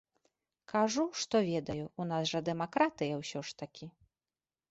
Кажу, што ведаю, у нас жа дэмакратыя ўсе ж такі.